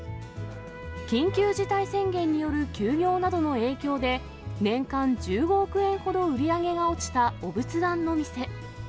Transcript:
緊急事態宣言による休業などの影響で、年間１５億円ほど売り上げが落ちたお仏壇の店。